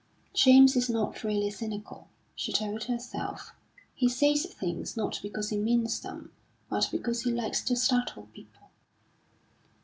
"James is not really cynical," she told herself. "He says things, not because he means them, but because he likes to startle people."